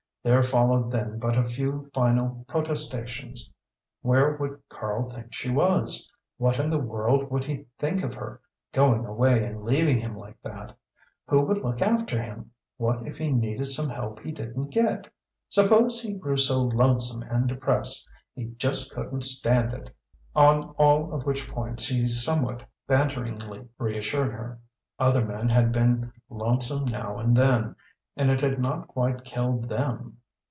There followed then but a few final protestations. Where would Karl think she was? What in the world would he think of her going away and leaving him like that? Who would look after him? What if he needed some help he didn't get? Suppose he grew so lonesome and depressed he just couldn't stand it? On all of which points he somewhat banteringly reassured her. Other men had been lonesome now and then, and it had not quite killed them.